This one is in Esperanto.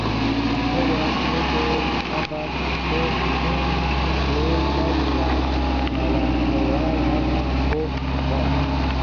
Antaŭaj piedoj havas po kvin fingroj kaj la malantaŭaj havas po kvar.